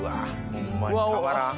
ホンマにたまらん。